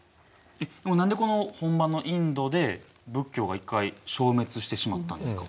何でこの本場のインドで仏教が一回消滅してしまったんですか？